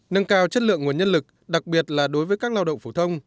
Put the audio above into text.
nâng cao chất lượng nguồn nhân lực đặc biệt là đối với các lao động phổ thông